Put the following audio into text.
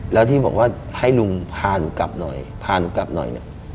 แล้วที่บอกว่าให้ลุงพาหนูกลับหน่อยพาหนูกลับหน่อยเนี่ย